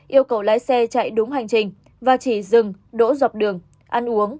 yêu cầu lái xe chạy đúng hành trình và chỉ dừng đỗ dọc đường ăn uống